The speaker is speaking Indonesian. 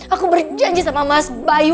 aku berjanji sama mas bayu